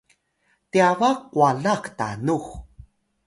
tyaba qwalax tanux